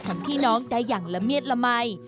พี่น้องได้อย่างละเมียดละมัย